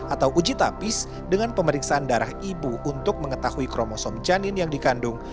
atau uji tapis dengan pemeriksaan darah ibu untuk mengetahui kromosom janin yang dikandung